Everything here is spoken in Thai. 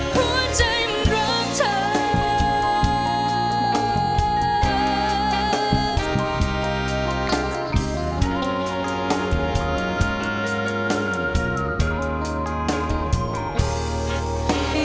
หัวใจมันรักเธอ